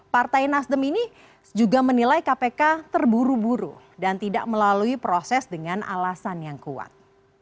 partai nasdem ini juga menilai kpk terburu buru dan tidak melalui proses dengan alasan yang kuat